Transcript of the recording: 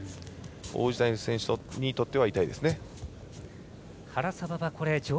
王子谷選手にとっては痛いですね。